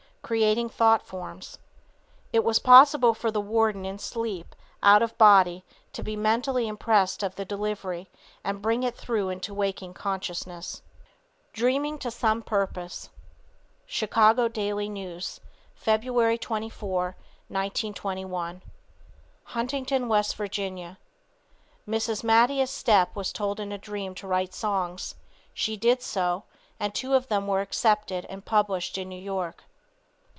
(Creating thought forms.) It was possible for the warden in sleep, out of his body, to be mentally impressed of the delivery and bring it through into waking consciousness. DREAMING TO SOME PURPOSE. Chicago Daily News, February 24, 1921. Huntington, W. Va. Mrs. Mattie Estep was told in a dream to write songs. She did so, and two of them were accepted and published in New York.